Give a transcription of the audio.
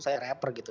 saya rapper gitu